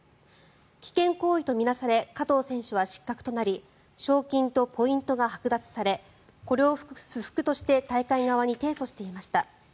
危険行為と見なされ加藤選手は失格となり賞金とポイントがはく奪されこれを不服として大会側に提訴していました。